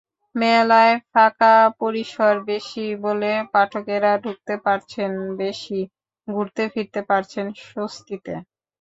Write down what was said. মেলায় ফাঁকা পরিসর বেশি বলে পাঠকেরা ঢুকতে পারছেন বেশি, ঘুরতে-ফিরতে পারছেন স্বস্তিতে।